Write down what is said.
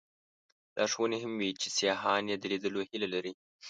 لارښوونې هم وې چې سیاحان یې د لیدلو هیله لري.